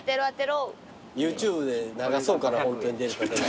ＹｏｕＴｕｂｅで流そうかなホントに出るかどうか。